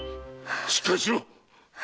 しっかりしろ！